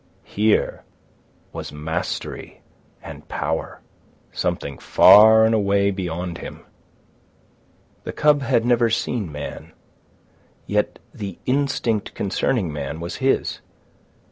Here was mastery and power, something far and away beyond him. The cub had never seen man, yet the instinct concerning man was his.